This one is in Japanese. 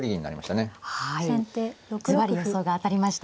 ずばり予想が当たりました。